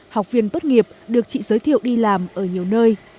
học viên tốt nghiệp được chị giới thiệu đi làm ở nhiều nơi